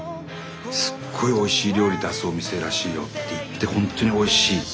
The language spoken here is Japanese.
「すっごいおいしい料理出すお店らしいよ」っていってほんとにおいしい。